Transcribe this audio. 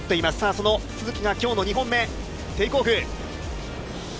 その都筑が今日の２本目、テークオフ。